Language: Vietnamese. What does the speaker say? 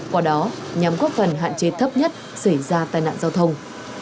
qua đó nhắm các phần hạn chế thấp nhất xảy ra tai nạn giao thông